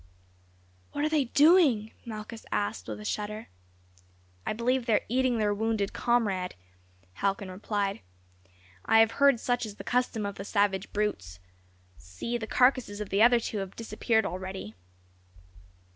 "What are they doing?" Malchus asked with a shudder. "I believe they are eating their wounded comrade," Halcon replied. "I have heard such is the custom of the savage brutes. See, the carcasses of the other two have disappeared already."